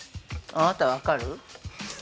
あなた分かる？